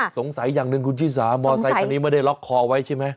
สงสัยอย่างหนึ่งคุณชิสามอเตอร์ไซด์คนนี้ไม่ได้ล็อกคอเอาไว้ใช่ไหม